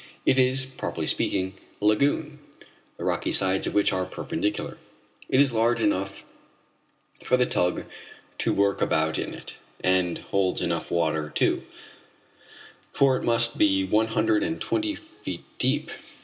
It is, properly speaking, a lagoon, the rocky sides of which are perpendicular. It is large enough for the tug to work about in it, and holds enough water too, for it must be one hundred and twenty five feet deep.